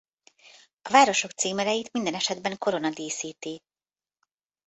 A városok címereit minden esetben korona díszíti.